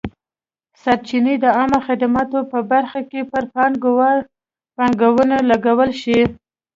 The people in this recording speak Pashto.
سرچینې د عامه خدماتو په برخه کې پر پانګونې ولګول شوې.